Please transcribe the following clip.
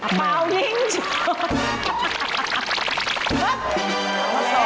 เปล่านิ่งเฉพาะ